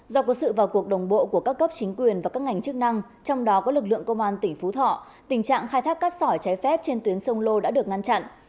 do có sự vào cuộc đồng bộ của các cấp chính quyền và các ngành chức năng trong đó có lực lượng công an tỉnh phú thọ tình trạng khai thác cát sỏi trái phép trên tuyến sông lô đã được ngăn chặn